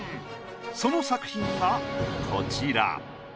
その作品がこちら。